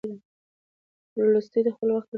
تولستوی د خپل وخت تر ټولو پوه او با نفوذه لیکوال و.